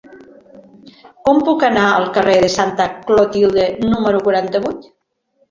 Com puc anar al carrer de Santa Clotilde número quaranta-vuit?